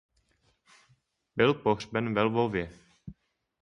Byl pohřben ve Lvově.